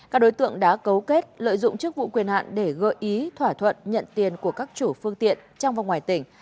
các đối tượng đã cấu kết lợi dụng chức vụ quyền hạn để gợi ý thỏa thuận nhận tiền của các chủ phương tiện trong và ngoài tỉnh